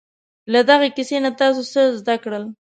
له دغې کیسې نه تاسې څه زده کړل؟